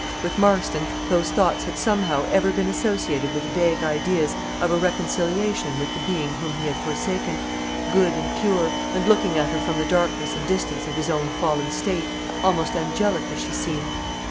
With Marston, those thoughts had somehow ever been associated with vague ideas of a reconciliation with the being whom he had forsaken good and pure, and looking at her from the darkness and distance of his own fallen state, almost angelic as she seemed.